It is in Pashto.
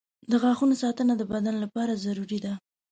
• د غاښونو ساتنه د بدن لپاره ضروري ده.